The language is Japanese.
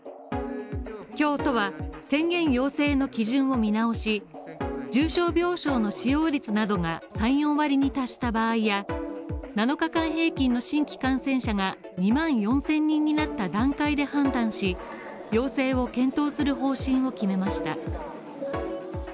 今日、都は、宣言要請の基準を見直し重症病床の使用率が３４割に達した場合や７日間平均の新規感染者が２万４０００人になった段階で判断し要請を検討する方針を決めました。